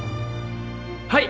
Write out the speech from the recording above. はい！